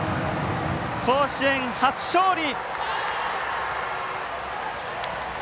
甲子園、初勝利！